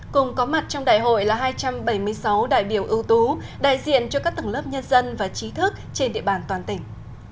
cùng có mặt trong đại hội là hai trăm bảy mươi sáu đại biểu ưu tú đại diện cho các tầng lớp nhân dân và trí thức trên địa bàn toàn tỉnh